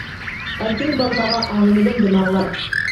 ئەركىن بالىلارغا: ئاڭلىمىدىم دېمەڭلار!